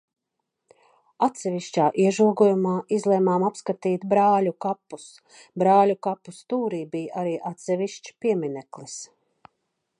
Atsevišķā iežogojumā izlēmām apskatīti Brāļu kapus. Brāļu kapu stūrī bija arī atsevišķs piemineklis.